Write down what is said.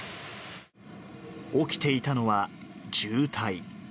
起きていたのは渋滞。